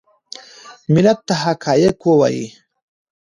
ملت ته حقایق ووایي .